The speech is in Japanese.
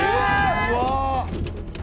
うわ！